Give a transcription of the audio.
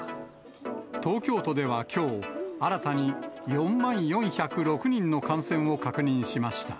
東京都ではきょう、新たに４万４０６人の感染を確認しました。